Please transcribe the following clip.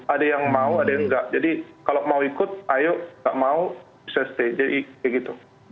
ada yang mau ada yang tidak jadi kalau mau ikut ayo tidak mau bisa stay jadi seperti itu